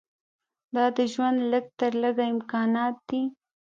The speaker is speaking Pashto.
دا د ژوند لږ تر لږه امکانات دي.